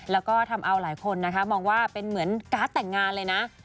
แล้วก็ทำเอาหลายคนนะคะมองว่าเป็นเหมือนการ์ดแต่งงานเลยนะ